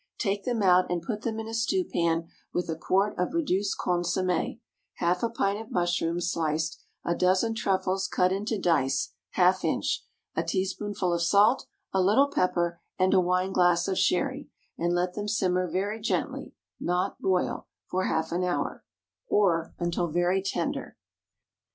Take them out, and put them in a stewpan with a quart of reduced consommé, half a pint of mushrooms sliced, a dozen truffles cut into dice (half inch), a teaspoonful of salt, a little pepper, and a wineglass of sherry, and let them simmer very gently, not boil, for half an hour, or until very tender.